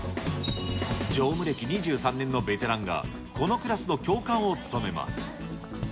乗務歴２３年のベテランが、このクラスの教官を務めます。